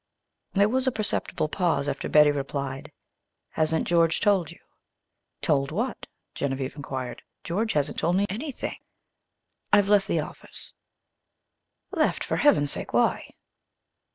There was a perceptible pause before Betty replied. "Hasn't George told you?" "Told what?" Genevieve inquired. "George hasn't told me anything." "I've left the office." "Left! For heaven's sake, why?"